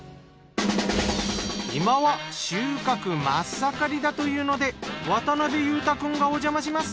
今は収穫真っ盛りだというので渡辺裕太くんがおじゃまします。